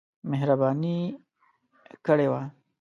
مهرباني کړې وه.